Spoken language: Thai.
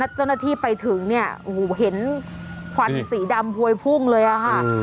เจ้าหน้าที่ไปถึงเนี่ยโอ้โหเห็นควันสีดำพวยพุ่งเลยค่ะ